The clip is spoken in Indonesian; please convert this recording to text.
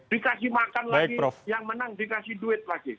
dikasih makan lagi yang menang dikasih duit lagi